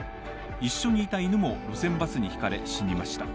一緒にいた犬も、路線バスにひかれ、死にました。